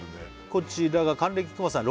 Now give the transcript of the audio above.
こちらが還暦くまさん